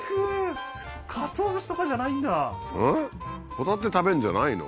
ホタテ食べるんじゃないの？